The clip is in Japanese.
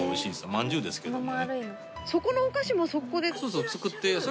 まんじゅうですけどもね。